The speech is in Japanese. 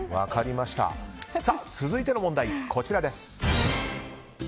続いての問題、こちらです。